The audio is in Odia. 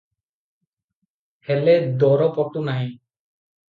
ହେଲେ ଦର ପଟୁ ନାହିଁ ।